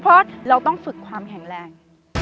เพราะเราต้องฝึกความแข็งแรง